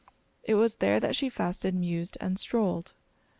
It was there that she fasted, mused, and strolled.